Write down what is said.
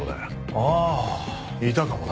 ああいたかもな。